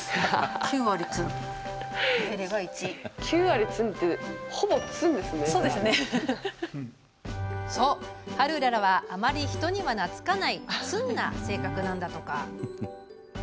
９割ツンってそう、ハルウララはあまり人には懐かないツンな性格なんだとか。